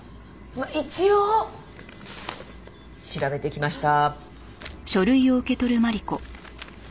まあ一応調べてきました。